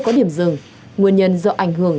có điểm dừng nguyên nhân do ảnh hưởng